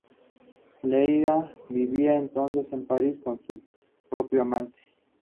Leila vivía entonces en París con su propio amante.